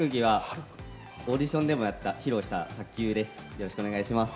よろしくお願いします。